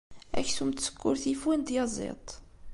Aksum n tsekkurt yif win n tyaziḍt.